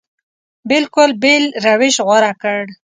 بلکل بېل روش غوره کړ.